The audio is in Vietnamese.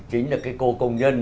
chính là cái cô công nhân